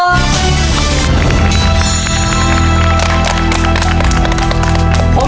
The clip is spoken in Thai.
พลังลงด้านเพิ่ม